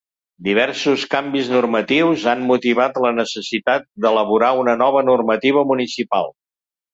Diversos canvis normatius han motivat la necessitat d’elaborar una nova normativa municipal.